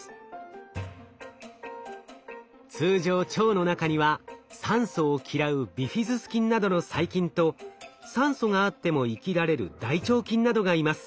通常腸の中には酸素を嫌うビフィズス菌などの細菌と酸素があっても生きられる大腸菌などがいます。